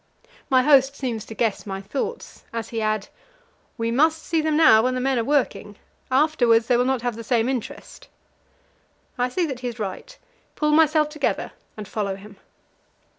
My host seems to guess my thoughts, as he adds: "We must see them now when the men are working. Afterwards they will not have the same interest." I see that he is right, pull myself together, and follow him.